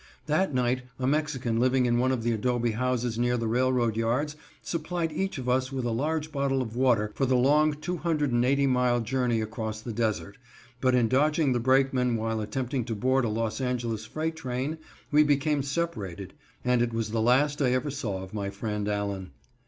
That night a Mexican living in one of the adobe houses near the railroad yards supplied each of us with a large bottle of water for the long two hundred and eighty mile journey across the desert, but in dodging the brakemen while attempting to board a Los Angeles freight train, we became separated and it was the last I ever saw of my friend Allen.